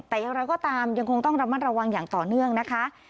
แต่อย่างไรก็ตามยังคงต้องระมัดระวังอย่างต่อเนื่องนะคะ